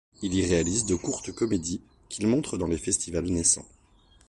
Il y réalise de courtes comédies qu'il montre dans les festivals naissants.